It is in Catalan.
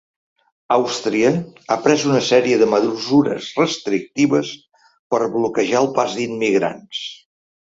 Àustria ha pres una sèrie de mesures restrictives per bloquejar el pas d’immigrants.